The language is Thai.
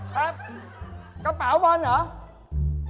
ครับกระเป๋าบอลเหรอ